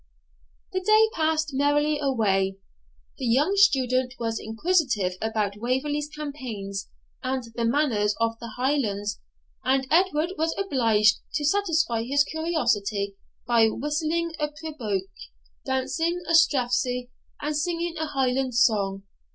The day passed merrily away. The young student was inquisitive about Waverley's campaigns, and the manners of the Highlands, and Edward was obliged to satisfy his curiosity by whistling a pibroch, dancing a strathspey, and singing a Highland song.